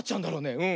うん。